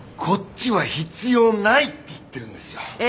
こっちは必要ないって言ってるんですよ。